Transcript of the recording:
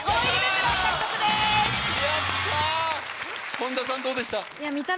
本田さんどうでした？